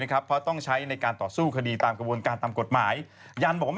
ขณะตอนอยู่ในสารนั้นไม่ได้พูดคุยกับครูปรีชาเลย